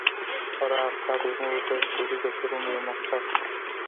راز صيب زموږ د شعري بهیرونو یو مخکښ و